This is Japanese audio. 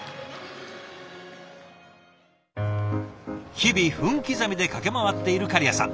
日々分刻みで駆け回っている狩屋さん。